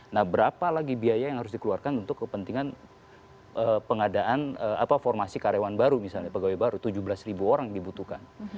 nah berapa lagi biaya yang harus dikeluarkan untuk kepentingan pengadaan formasi karyawan baru misalnya pegawai baru tujuh belas ribu orang dibutuhkan